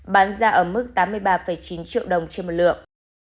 bán ra ở mức tám mươi ba chín triệu đồng trên một lượng